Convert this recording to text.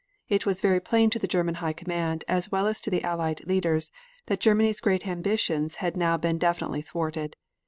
It was very plain to the German High Command, as well as to the Allied leaders, that Germany's great ambitions had now been definitely thwarted.